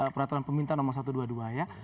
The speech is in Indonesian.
peraturan pemerintah nomor satu ratus dua puluh dua ya